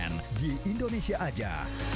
tentunya di indonesia aja